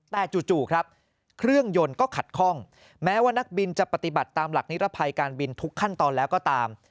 แต่จู่ครับเครื่องยนต์ก็ขัดข้องแม้ว่านักบินจะปฏิบัติตามหลักนิรภัยการบินทุกขั้นตอนแล้วก็ตาม